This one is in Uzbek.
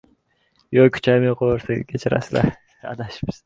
Telefon g‘ilofi ichidan "og‘u" topildi